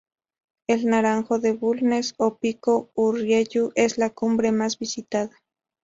El Naranjo de Bulnes o Pico Urriellu es la cumbre más visitada